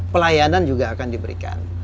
pelayanan juga akan diberikan